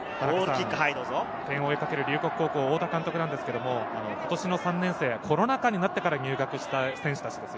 龍谷高校・太田監督は今年の３年生、コロナ禍になってから入学した選手たちです。